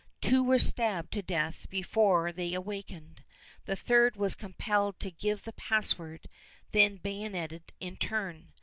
Two were stabbed to death before they awakened. The third was compelled to give the password, then bayoneted in turn.